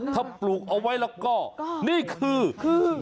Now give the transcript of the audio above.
ถ้าปลูกเอาไว้แล้วก็นี่คือ